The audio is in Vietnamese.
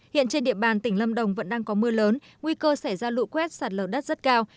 hiện trên địa bàn tỉnh lâm đồng vẫn đang có mưa lớn nguy cơ xảy ra lụ quét sạt lở đất rất cao